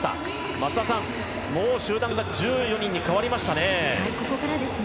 増田さん、もう集団が１４人に変わりましたね。